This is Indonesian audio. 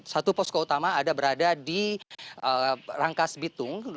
satu posko utama ada berada di rangkas bitung